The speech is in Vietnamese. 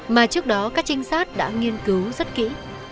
mà trước đó các trinh sát đã nghiên cứu rất kỹ